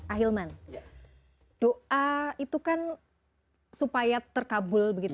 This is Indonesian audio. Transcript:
ahilman doa itu kan supaya terkabul begitu